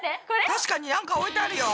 確かになんか置いてあるよ。